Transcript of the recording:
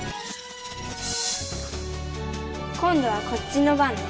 今度はこっちの番ね。